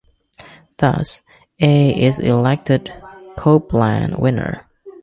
Thus, A is elected Copeland winner.